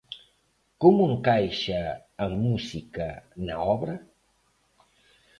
Como encaixa a música na obra?